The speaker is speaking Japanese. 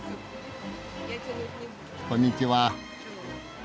こんにちは。